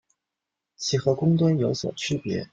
其和公吨有所区别。